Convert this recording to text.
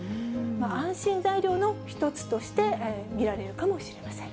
安心材料の一つとして見られるかもしれません。